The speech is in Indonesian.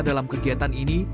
dalam kegiatan ini